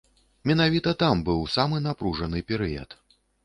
Менавіта там быў самы напружаны перыяд.